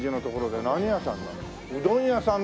うどん屋さんだ。